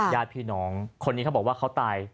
ญาติพี่น้องคนนี้เขาบอกว่าเขาตาย